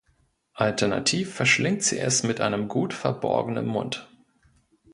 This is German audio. Alternativ verschlingt sie es mit einem gut verborgenen Mund.